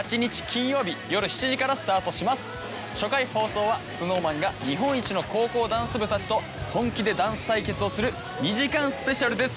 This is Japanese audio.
初回放送はＳｎｏｗＭａｎが日本一の高校ダンス部たちと本気でダンス対決をする２時間スペシャルです。